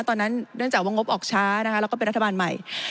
ตอนนั้นเนื่องจากวางงบออกช้าและเป็นรัฐบาลใหม่